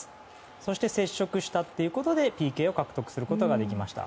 そして、接触したということでＰＫを獲得することができました。